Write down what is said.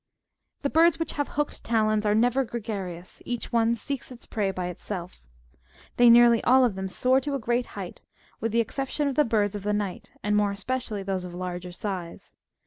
The birds which have hooked talons are never gregarious ; each one seeks its prey by itself. They nearly all of them soar to a great height, with the exception of the birds of the night, and more especially those of larger size.